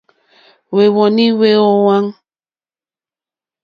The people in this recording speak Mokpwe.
Hwɛ̂wɔ́nì hwé ówàŋ.